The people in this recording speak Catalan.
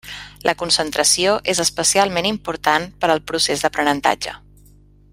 La concentració és especialment important per al procés d'aprenentatge.